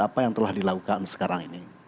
apa yang telah dilakukan sekarang ini